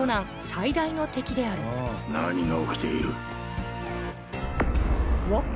最大の敵である何が起きている？